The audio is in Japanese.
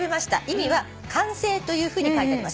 「意味は完成というふうに書いてあります」